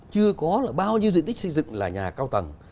chưa có là bao nhiêu diện tích xây dựng là nhà cao tầng